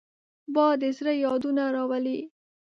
باد د زړه یادونه راولي